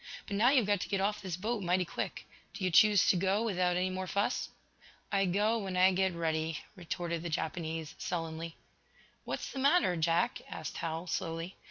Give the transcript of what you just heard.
"But now you've got to get off this boat mighty quick. Do you choose to go without any more fuss?" "I go when I get ready," retorted the Japanese, sullenly. "What's the matter, Jack?" asked Hal, slowly.